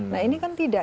nah ini kan tidak